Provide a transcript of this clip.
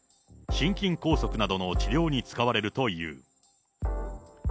心筋梗塞などの治療に使われるという。